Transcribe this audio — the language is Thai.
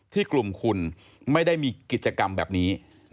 ที่กลุ่มคุณไม่ได้มีกิจกรรมแบบนี้